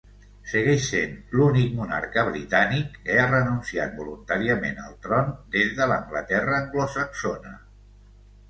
Segueix sent l'únic monarca britànic que ha renunciat voluntàriament al tron des de l'Anglaterra anglosaxona.